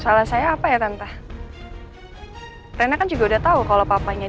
hai salah saya apa ya tante hai pernah juga udah tahu kalau papanya dia itu ya nino kan